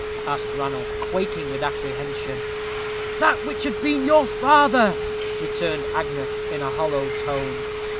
asked Ranulph, quaking with apprehension. "That which had been your father," returned Agnes, in a hollow tone.